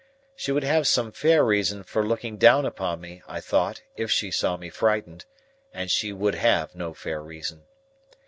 She would have some fair reason for looking down upon me, I thought, if she saw me frightened; and she would have no fair reason.